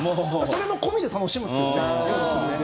それも込みで楽しむっていうね。